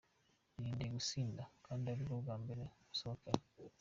Irinde gusinda kandi aribwo bwa mbere musohokanye.